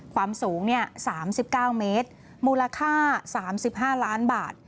ความสูง๓๙เมตรมูลค่า๓๕ล้านบาท